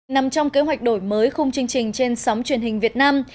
nằm trong kế hoạch đổi mới khung chương trình trên sóng truyền hình việt nam